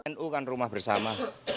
nu kan rumah bersama